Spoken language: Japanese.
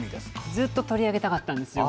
ずっと取り上げたかったんです。